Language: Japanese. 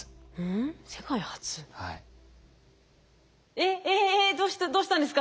えっえっえっどうしたんですか？